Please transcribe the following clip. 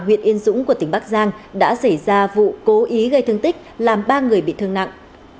huyện yên dũng của tỉnh bắc giang đã xảy ra vụ cố ý gây thương tích làm ba người bị thương nặng